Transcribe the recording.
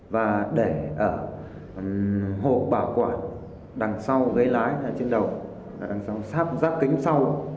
và để ở hộp bảo quản đằng sau ghế lái trên đầu đằng sau sáp rác kính sau